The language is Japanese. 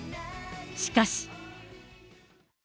しかし。